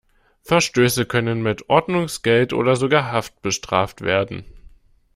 Verstöße können mit Ordnungsgeld oder sogar Haft bestraft werden.